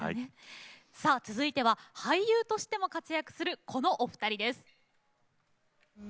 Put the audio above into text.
さあ続いては俳優としても活躍するこのお二人です。